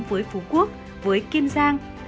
với phú quốc với kim giang